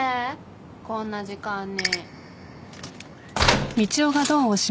こんな時間に。